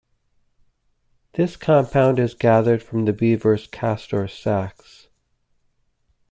This compound is gathered from the beaver's castor sacs.